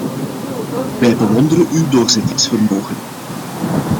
Wij bewonderen uw doorzettingsvermogen.